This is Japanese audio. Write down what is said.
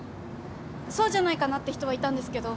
そうじゃないかなって人はいたんですけど。